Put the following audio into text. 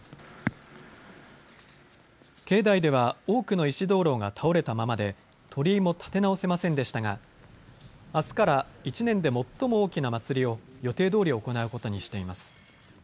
境内では多くの石灯籠が倒れたままで鳥居も建て直せませんでしたがあすから１年で最も大きな祭りを予定どおり行うことにしています。